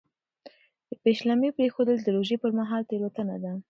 د پېشلمي پرېښودل د روژې پر مهال تېروتنه ده.